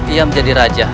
ia menjadi raja